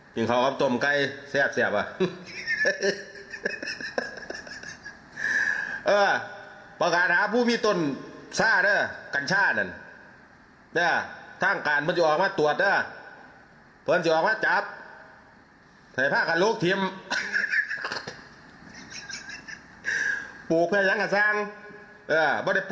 เหมือนประกัดเสียงตามสายให้ลูกทิมทุกคนไป